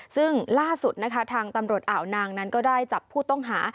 ซึ่งล่าสุดนะคะทางตำรวจอ่าวนางนั้นก็ได้จับผู้ต้องหา